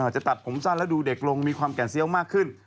จะตัดผมสั้นแล้วดูเด็กลงมีความแก่นเซี้ยวมากขึ้น